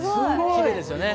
きれいですよね。